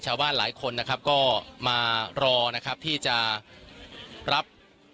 ชาวบ้านหลายคนนะครับก็มารอนะครับที่จะรับ